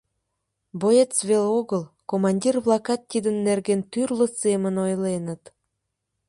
Боец веле огыл, командир-влакат тидын нерген тӱрлӧ семын ойленыт.